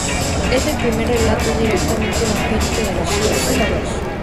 Es el primer relato directamente vampírico de los Estados Unidos.